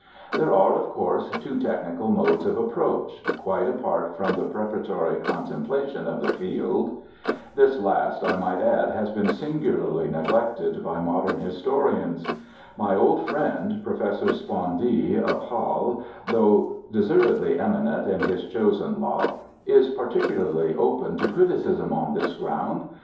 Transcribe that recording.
There are, of course, two technical modes of approach, quite apart from the preparatory contemplation of the field. (This last, I might add, has been singularly neglected by modern historians. My old friend, Professor Spondee, of Halle, though deservedly eminent in his chosen lot, is particularly open to criticism on this ground.